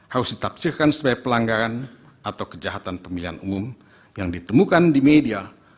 harus ditafsirkan sebagai pelanggaran atau kejahatan pemilihan umum yang ditemukan di media